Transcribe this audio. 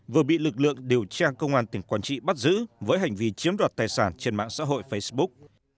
vừa bị lực lượng điều tra công an tỉnh quảng trị bắt giữ với hành vi chiếm đoạt tài sản trên mạng xã hội facebook